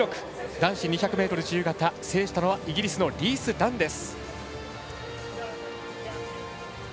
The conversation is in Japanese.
男子２００ｍ自由形制したのはイギリスのリース・ダンです。